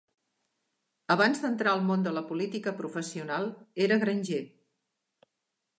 Abans d'entrar al món de la política professional era granger.